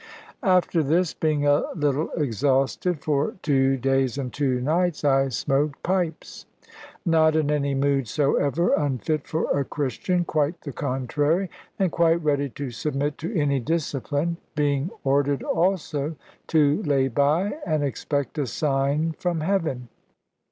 After this, being a little exhausted, for two days and two nights I smoked pipes. Not in any mood soever unfit for a Christian; quite the contrary, and quite ready to submit to any discipline; being ordered also to lay by, and expect a sign from heaven.